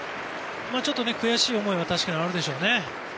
ちょっと悔しい思いは確かにあるでしょうね。